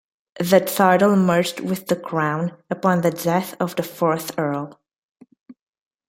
The title merged with the Crown upon the death of the fourth Earl.